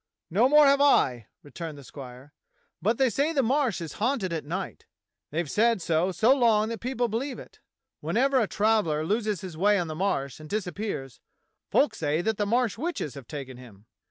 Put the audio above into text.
"No more have I," returned the squire. "But they say the Marsh is haunted at night. They've said so so long that people believe it. WTienever a traveller loses his way on the Marsh and disappears, folk say that the Marsh witches have taken him.